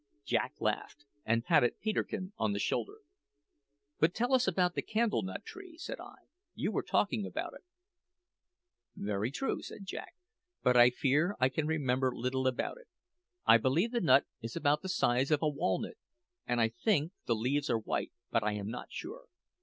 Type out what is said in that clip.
Jack laughed, and patted Peterkin on the shoulder. "But tell us about the candle nut tree," said I. "You were talking about it." "Very true," said Jack; "but I fear I can remember little about it. I believe the nut is about the size of a walnut; and I think that the leaves are white, but I am not sure."